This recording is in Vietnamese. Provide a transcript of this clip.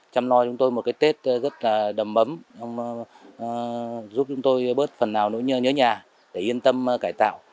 chăm lo chúng tôi một cái tết rất là đầm ấm giúp chúng tôi bớt phần nào nỗi nhớ nhà để yên tâm cải tạo